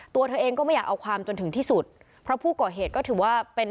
ตัวเธอเองก็ไม่อยากเอาความจนถึงที่สุดเพราะผู้ก่อเหตุก็ถือว่าเป็น